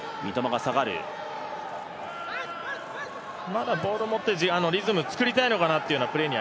まだボールを持ってリズムを作りたいのかなというプレーに